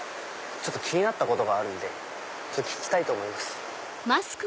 ちょっと気になったことがあるんで聞きたいと思います。